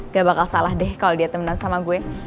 gak bakal salah deh kalau dia temenan sama gue